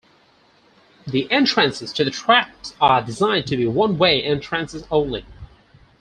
The entrances to the traps are designed to be one-way entrances only.